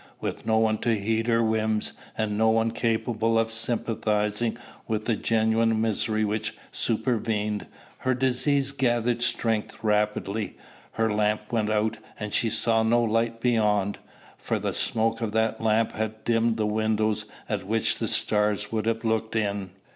With no one to heed her whims, and no one capable of sympathizing with the genuine misery which supervened, her disease gathered strength rapidly, her lamp went out, and she saw no light beyond; for the smoke of that lamp had dimmed the windows at which the stars would have looked in.